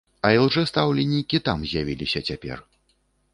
А ілжэстаўленікі там з'явіліся цяпер.